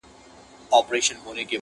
په خپل لاس مي دا تقدیر جوړ کړ ته نه وې.!